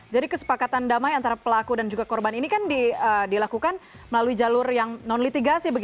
jadi kesepakatan damai antara pelaku dan juga korban ini kan dilakukan melalui jalur yang non litigasi